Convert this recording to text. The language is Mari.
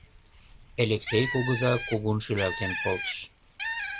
Элексей кугыза кугун шӱлалтен колтыш.